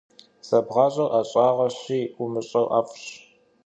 Zebğaş'er 'eş'ağeşi vumış'er 'ef'ş.